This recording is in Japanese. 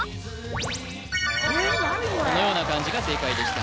これこのような漢字が正解でした